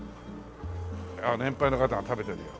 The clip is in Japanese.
ああ年配の方が食べてるよ。